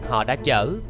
họ đã chở